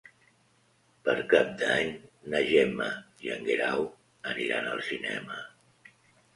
Per Cap d'Any na Gemma i en Guerau aniran al cinema.